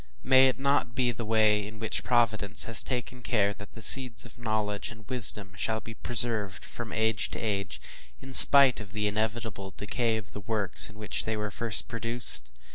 may it not be the way in which Providence has taken care that the seeds of knowledge and wisdom shall be preserved from age to age, in spite of the inevitable decay of the works in which they were first produced?